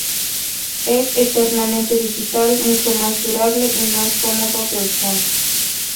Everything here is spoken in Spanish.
Es enteramente digital, mucho más durable y más cómodo de usar.